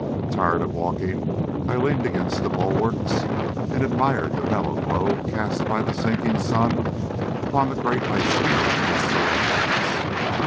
Tired of walking, I leaned against the bulwarks, and admired the mellow glow cast by the sinking sun upon the great ice fields which surround us.